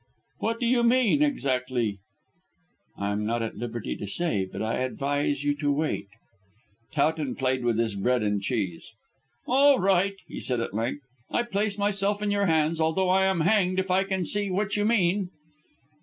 "What do you mean, exactly?" "I am not at liberty to say. But I advise you to wait." Towton played with his bread and cheese. "All right," he said at length. "I place myself in your hands, although I am hanged if I can see what you mean."